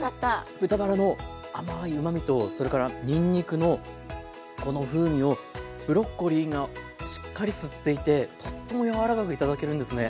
豚バラの甘いうまみとそれからにんにくのこの風味をブロッコリーがしっかり吸っていてとっても柔らかく頂けるんですね。